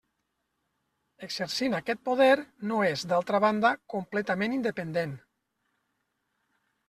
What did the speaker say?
Exercint aquest poder, no és, d'altra banda, completament independent.